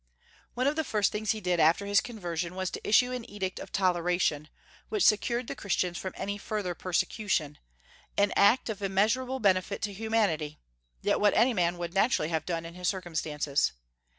One of the first things he did after his conversion was to issue an edict of toleration, which secured the Christians from any further persecution, an act of immeasurable benefit to humanity, yet what any man would naturally have done in his circumstances.